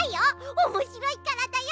おもしろいからだよ。